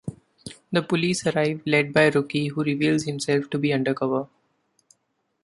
The police arrive, led by Rookie, who reveals himself to be undercover.